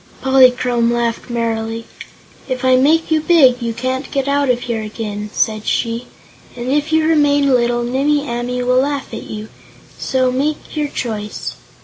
Polychrome laughed merrily. "If I make you big, you can't get out of here again," said she, "and if you remain little Nimmie Amee will laugh at you. So make your choice."